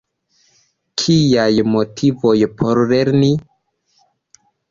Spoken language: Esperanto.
Kiaj motivoj por lerni?